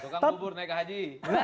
tokang bubur naik ke haji